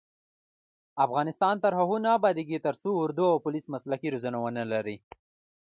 افغانستان تر هغو نه ابادیږي، ترڅو اردو او پولیس مسلکي روزنه ونه لري.